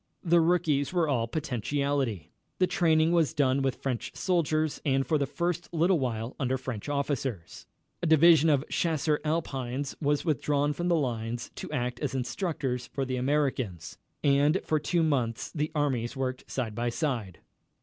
The rookies were all potentiality. The training was done with French soldiers and for the first little while under French officers. A division of Chasseurs Alpines was withdrawn from the line to act as instructors for the Americans, and for two months the armies worked side by side.